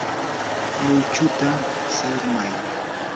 luychuta saqmay.